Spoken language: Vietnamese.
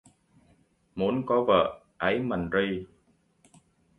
Muốn có vợ, ấy mần ri